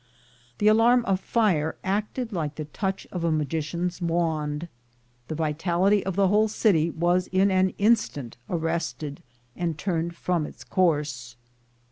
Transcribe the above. The alarm of fire acted like the touch of a magician's wand. The vitality of the whole city was in an instant arrested and turned from its course.